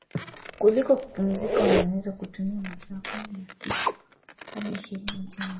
kuliko kupumzika Wanaweza kutumia masaa kumi na sita hadi ishirini wakiwa wanakula tu au